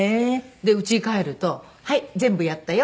で家に帰ると「はい。全部やったよ。